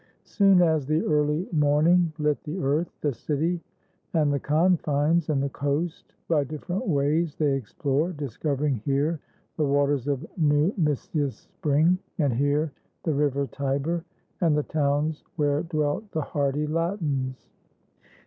Soon as the early morning lit the earth, The city and the confines, and the coast By different ways they explore, discovering here The waters of Numicius' spring, and here The river Tiber, and the towns where dwelt The hardy Latins.